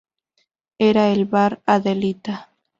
Era el bar Adelita.